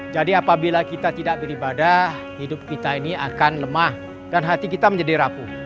jadi apabila kita tidak beribadah hidup kita ini akan lemah dan hati kita menjadi rapuh